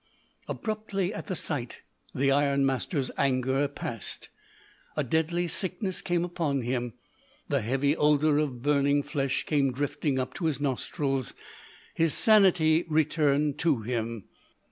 Abruptly, at the sight, the ironmaster's anger passed. A deadly sickness came upon him. The heavy odour of burning flesh came drifting up to his nostrils. His sanity returned to him.